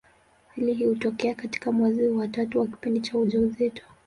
Hii hutokea katika mwezi wa tatu wa kipindi cha ujauzito.